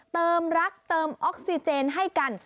เติมรักเติมออกซิเจนให้กัน